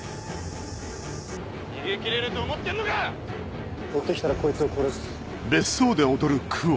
逃げ切れると思ってんのか⁉追って来たらこいつを殺す。